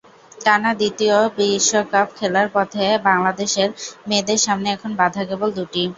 টানা দ্বিতীয় বিশ্বকাপ খেলার পথে বাংলাদেশের মেয়েদের সামনে এখন বাধা কেবল দুটি।